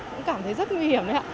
cũng cảm thấy rất nguy hiểm đấy ạ